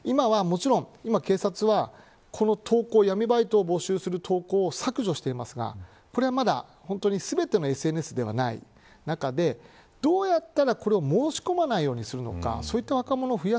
今、警察は闇バイトを募集している投稿を削除していますが全てのＳＮＳではない中でどうやったらこれを申し込まないようにするのか。